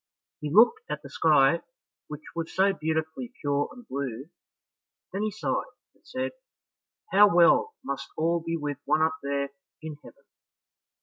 He looked at the sky, which was so beautifully pure and blue, then he sighed, and said, "How well must all be with one up there in heaven!"